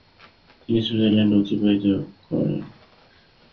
তিনি সুইজারল্যান্ডে অতিবাহিত করেন।